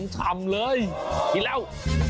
ฉ่ำเลยกินแล้ว